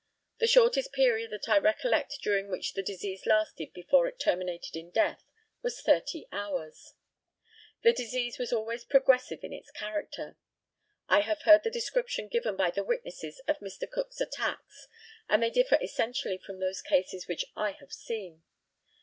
The shortest period that I recollect during which the disease lasted before it terminated in death, was 30 hours. The disease was always progressive in its character. I have heard the description given by the witnesses of Mr. Cook's attacks, and they differ essentially from those cases which I have seen.